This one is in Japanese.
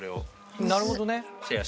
なるほどね。